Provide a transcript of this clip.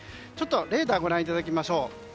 レーダーをご覧いただきましょう。